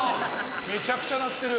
めちゃくちゃ鳴ってる。